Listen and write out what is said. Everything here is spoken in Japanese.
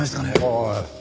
おい。